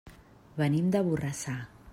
Venim de Borrassà.